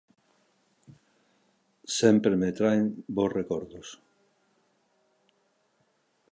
Sempre me traen bos recordos.